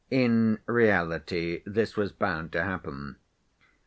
In reality this was bound to happen.